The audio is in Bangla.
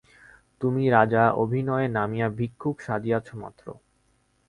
তুমি রাজা, অভিনয়ে নামিয়া ভিক্ষুক সাজিয়াছ মাত্র।